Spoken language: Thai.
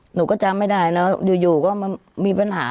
หนูก็จำไม่ได้เนอะอยู่ก็มีปัญหา